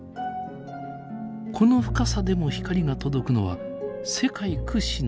この深さでも光が届くのは世界屈指の透明度だからこそ。